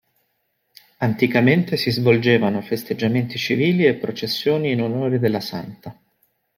Anticamente si svolgevano festeggiamenti civili e processioni in onore della santa.